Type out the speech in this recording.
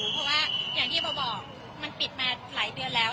เพราะว่าอย่างที่โบบอกมันปิดมาหลายเดือนแล้ว